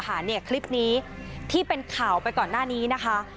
คลิปนี้ที่เป็นข่าวไปก่อนหน้านี้นะคะ